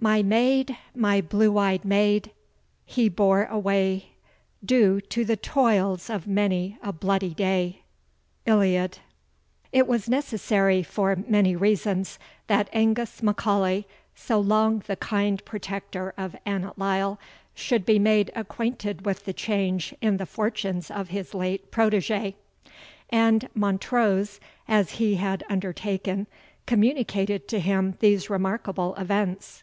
My maid my blue eyed maid, he bore away, Due to the toils of many a bloody day. ILLIAD. It was necessary, for many reasons, that Angus M'Aulay, so long the kind protector of Annot Lyle, should be made acquainted with the change in the fortunes of his late protege; and Montrose, as he had undertaken, communicated to him these remarkable events.